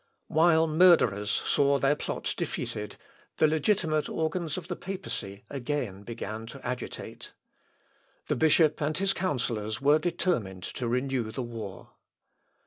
While murderers saw their plots defeated, the legitimate organs of the papacy again began to agitate. The bishop and his counsellors were determined to renew the war.